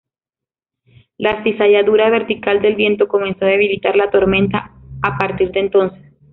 La cizalladura vertical del viento comenzó a debilitar la tormenta a partir de entonces.